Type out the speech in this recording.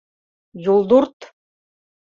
— Юлдурт!